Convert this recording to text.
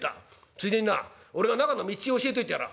ついでにな俺が中の道を教えといてやら。